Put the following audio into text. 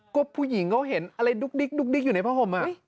ก็ผู้หญิงเขาเห็นอะไรดุ๊กดิ๊กดุ๊กดิ๊กอยู่ในพระห่ม